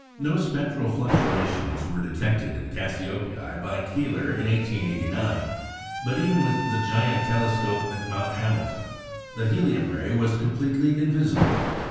No spectral fluctuations were detected in Gamma Cassiopeiæ by Keeler in 1889; but even with the giant telescope of Mount Hamilton, the helium ray was completely invisible.